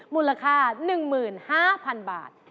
มูลค่า๑หมื่น๕พันบาท